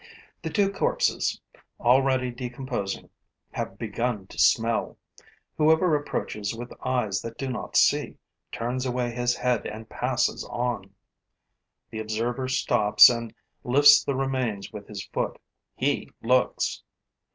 The two corpses, already decomposing, have begun to smell. Whoever approaches with eyes that do not see turns away his head and passes on. The observer stops and lifts the remains with his foot; he looks.